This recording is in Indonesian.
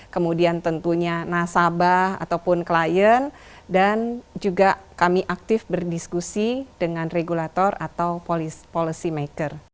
kemudian tentunya nasabah ataupun klien dan juga kami aktif berdiskusi dengan regulator atau policy maker